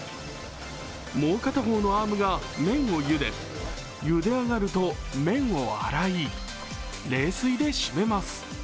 もう片方のアームが麺をゆで、ゆで上がると麺を洗い、冷水でしめます。